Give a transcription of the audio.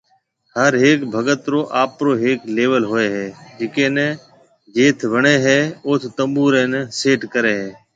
ھر ھيَََڪ ڀگت رو آپرو ھيَََڪ ليول ھوئي ھيَََ جڪي ني جيٿ وڻي ھيَََ اوٿ تنبوري ني سيٽ ڪري ھيَََ